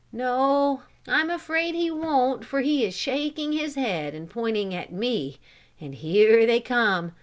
No, I am afraid he won't for he is shaking his head and pointing at me and here they come.